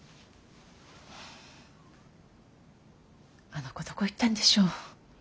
あの子どこ行ったんでしょう？